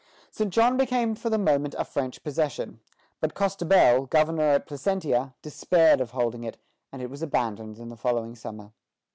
St. John became for the moment a French possession; but Costebelle, governor at Placentia, despaired of holding it, and it was abandoned in the following summer.